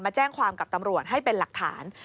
แจ้งความกับตำรวจให้เป็นหลักฐาน